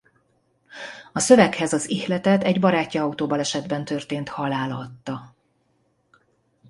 A szöveghez az ihletet egy barátja autóbalesetben történt halála adta.